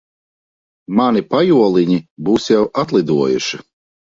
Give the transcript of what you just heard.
Mani pajoliņi būs jau atlidojuši.